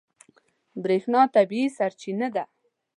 برېښنا طبیعي سرچینه ده.